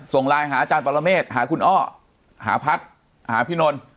ส่งไลน์หาอาจารย์ปรเมฆหาคุณอ้อหาพัฒน์หาพี่นนท์